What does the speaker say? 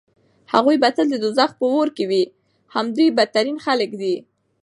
هغوی به تل د دوزخ په اور کې وي همدوی بدترين خلک دي